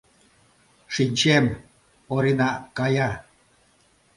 — Шинчем — Орина кая.